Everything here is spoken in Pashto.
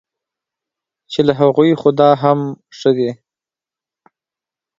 چې له هغوی خو دا هم ښه دی.